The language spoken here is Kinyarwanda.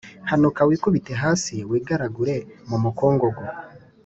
hanuka wikubite hasi, wigaragure mu mukungugu,